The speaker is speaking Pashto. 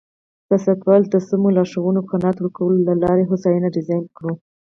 سیاستوالو ته د سمو لارښوونو قناعت ورکولو له لارې هوساینه ډیزاین کړو.